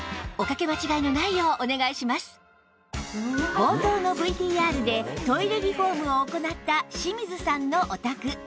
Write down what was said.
冒頭の ＶＴＲ でトイレリフォームを行った清水さんのお宅